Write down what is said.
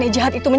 aku sangat seronok